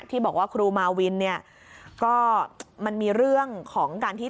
ที่บอกว่าครูมาวินเนี่ยก็มันมีเรื่องของการที่